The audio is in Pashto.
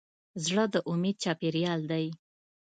زړه د امید چاپېریال دی.